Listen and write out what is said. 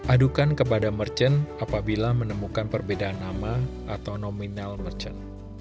adukan kepada merchant apabila menemukan perbedaan nama atau nominal merchant